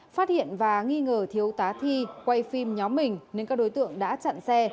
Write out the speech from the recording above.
phát hiện và nghi ngờ thiếu tá thi quay phim nhóm mình nên các đối tượng đã chặn xe